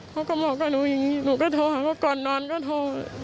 เขาก็บอกกับหนูอย่างนี้หนูก็โทรหาว่าก่อนนอนก็โทร